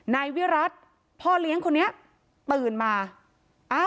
นายวิรัติพ่อเลี้ยงคนนี้ตื่นมา